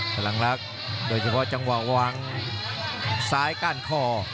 พลังลักษณ์โดยเฉพาะจังหวะวางซ้ายก้านคอ